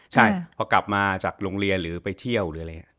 ใช่พอกลับมาจากโรงเรียนหรือไปเที่ยวหรืออะไรอย่างนี้